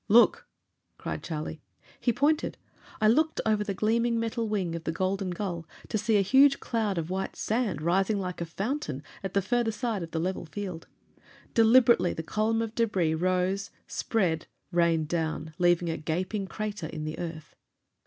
"Look!" cried Charlie. He pointed. I looked over the gleaming metal wing of the Golden Gull, to see a huge cloud of white sand rising like a fountain at the farther side of the level field. Deliberately the column of debris rose, spread, rained down, leaving a gaping crater in the earth.